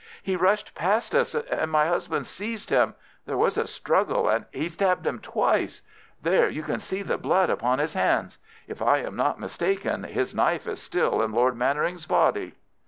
He rushed past us, and my husband seized him. There was a struggle, and he stabbed him twice. There you can see the blood upon his hands. If I am not mistaken, his knife is still in Lord Mannering's body."